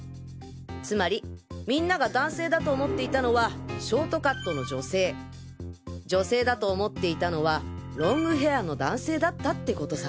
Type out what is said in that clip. つまりみんなが「男性」だと思っていたのはショートカットの「女性」「女性」だと思っていたのはロングヘアの「男性」だったって事さ。